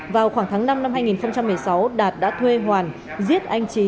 vào khoảng tháng năm năm hai nghìn một mươi sáu đạt đã thuê hoàn giết anh trí